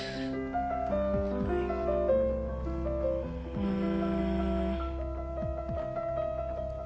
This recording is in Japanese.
うん。